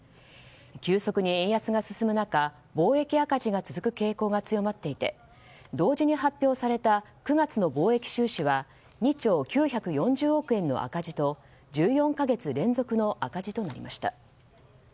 急速に円安が進む中貿易赤字が続く傾向が強まっていて同時に発表された９月の貿易収支は２兆９４０億円の赤字と１４か月連続の赤字となりました。